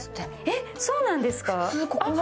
えっ、そうなんですか？